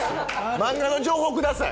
漫画の情報ください。